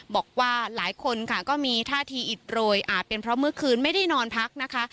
บอกว่าหลายคนค่ะก็มีท่าทีอิดโรยอาจเป็นเพราะเมื่อคืนไม่ได้นอนพักนะคะ